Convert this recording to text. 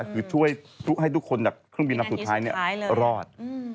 คือช่วยให้ทุกคนจากเครื่องบินลำสุดท้ายรอด